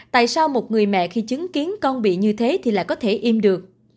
tại sao một người mẹ khi chứng kiến con bị như thế thì lại có thể im được